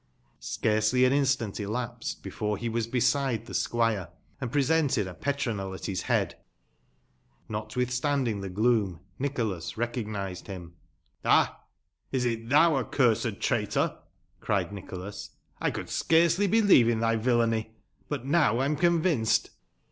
Scarcely an instant elapsed before be was beeide tbe sqmre,*and presented a petronel at bis bead. Not witbstanding tbe gloom, Nicbolas recognised bim. " Ab ! is it tbou, accursed traitor ?" cried Nicbolas. " I conld Bcaroely believe in tby villany, but now I am convinced."